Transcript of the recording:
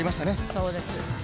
そうです。